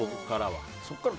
そこからは。